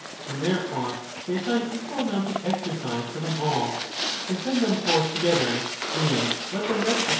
And therefore they assign equal amounts of exercise to them all ; they send them forth together, and let them rest VOL.